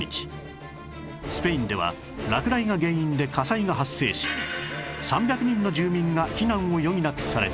スペインでは落雷が原因で火災が発生し３００人の住民が避難を余儀なくされた